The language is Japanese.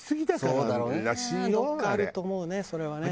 どこかあると思うねそれはね。